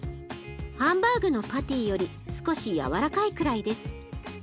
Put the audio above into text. ハンバーグのパティより少し軟らかいくらいです。